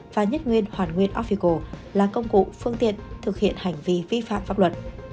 và nhất nguyên hoàn nguyên offical là công cụ phương tiện thực hiện hành vi vi phạm pháp luật